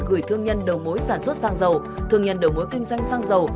gửi thương nhân đầu mối sản xuất xăng dầu thương nhân đầu mối kinh doanh xăng dầu